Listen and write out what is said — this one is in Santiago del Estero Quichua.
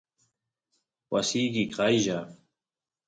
wasiki qaylla